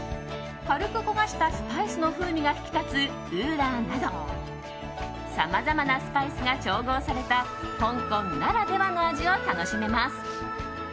軽く焦がしたスパイスの風味が引き立つウーラーなどさまざまなスパイスが調合された香港ならではの味を楽しめます。